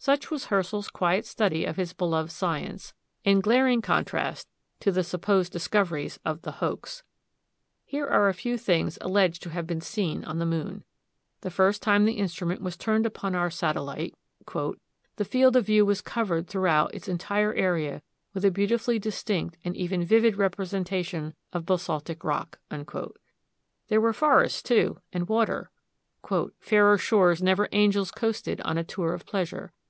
Such was Herschel's quiet study of his beloved science, in glaring contrast to the supposed discoveries of the "Hoax." Here are a few things alleged to have been seen on the moon. The first time the instrument was turned upon our satellite "the field of view was covered throughout its entire area with a beautifully distinct and even vivid representation of basaltic rock." There were forests, too, and water, "fairer shores never angels coasted on a tour of pleasure.